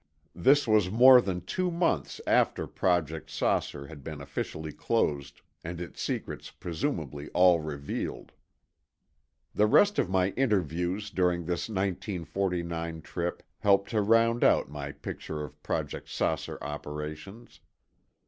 This was more than two months after Project "Saucer" had been officially closed and its secrets presumably all revealed. The rest of my interviews during this 1949 trip helped to round out my picture of Project "Saucer" operations.